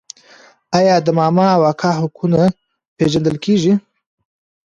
آیا د ماما او کاکا حقونه نه پیژندل کیږي؟